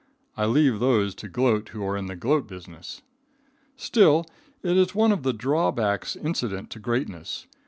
I leave those to gloat who are in the gloat business. Still, it is one of the drawbacks incident to greatness.